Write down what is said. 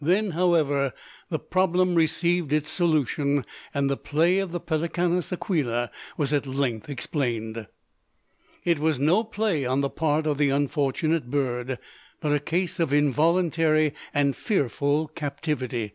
Then, however, the problem received its solution; and the play of the Pelicanus aquila was at length explained. It was no play on the part of the unfortunate bird, but a case of involuntary and fearful captivity.